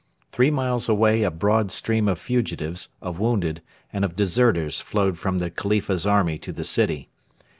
Three miles away a broad stream of fugitives, of wounded, and of deserters flowed from the Khalifa's army to the city.